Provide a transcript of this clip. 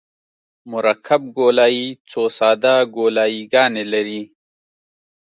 مرکب ګولایي څو ساده ګولایي ګانې لري